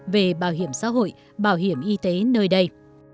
về bảo hiểm xã hội bảo hiểm y tế nơi đây